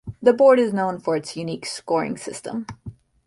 The Board is known for its unique scoring system.